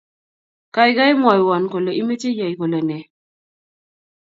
gaigai, mwowon kole imeche iyay kole ne?